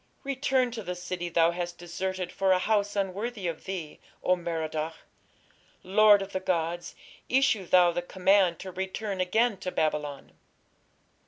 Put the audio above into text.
Return to the city thou hast deserted for a house unworthy of thee. O Merodach! lord of the gods, issue thou the command to return again to Babylon."